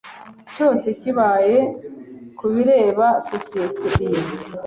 cyose kibaye ku bireba sosiyete iyo